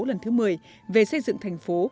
lần thứ một mươi về xây dựng thành phố